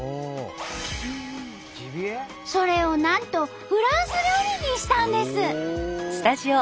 それをなんとフランス料理にしたんです！